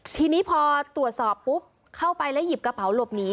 ทีนี้พอตรวจสอบปุ๊บเข้าไปแล้วหยิบกระเป๋าหลบหนี